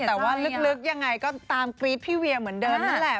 แต่ว่าลึกยังไงก็ตามกรี๊ดพี่เวียเหมือนเดิมนั่นแหละ